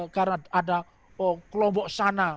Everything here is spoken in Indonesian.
karena ada kelompok sana